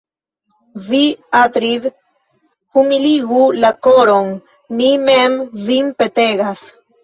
Vi, Atrid', humiligu la koron, mi mem vin petegas.